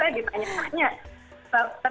jadi saya ditanya tanya